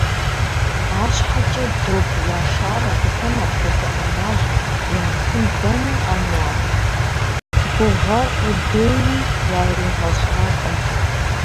АрщхьэкӀэ Догу Яшар абыхэм апхуэдэ Ӏэмал яритын дэнэ къэна, гугъэ къудеи яригъэщӀакъым.